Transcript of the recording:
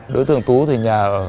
đối tượng tú thì nhà ở